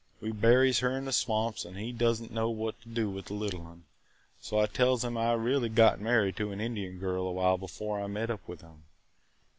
We buries her in the swamps an' he does n't know what to do with the little un, so I tells him I really got married to an Indian girl a while before I met up with him.